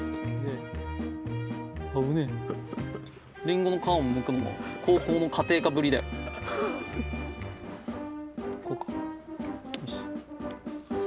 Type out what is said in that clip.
危ねえリンゴの皮をむくのも高校の家庭科ぶりだよ。こうかよし。